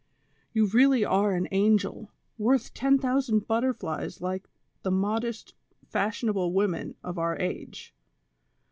You really are an angel, worth ten thousand butterflies like the modest, fashionable women of our age.